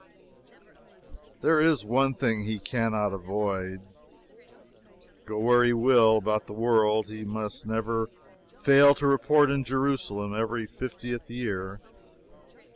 There is one thing he can not avoid; go where he will about the world, he must never fail to report in Jerusalem every fiftieth year.